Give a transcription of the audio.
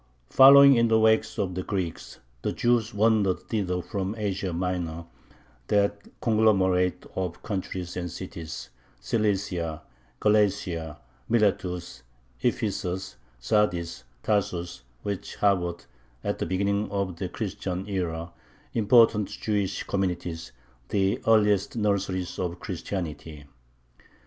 Following in the wake of the Greeks, the Jews wandered thither from Asia Minor, that conglomerate of countries and cities Cilicia, Galatia, Miletus, Ephesus, Sardis, Tarsus which harbored, at the beginning of the Christian era, important Jewish communities, the earliest nurseries of Christianity.